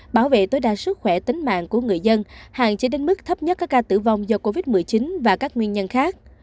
bảo vệ tối đa sức khỏe tính mạng của người dân hạn chế đến mức thấp nhất các ca tử vong do covid một mươi chín và các nguyên nhân khác